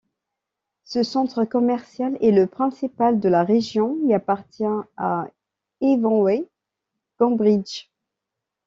Ce centre commercial est le principal de la région et appartient à Ivanhoé Cambridge.